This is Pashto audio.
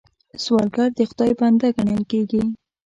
سوالګر د خدای بنده ګڼل کېږي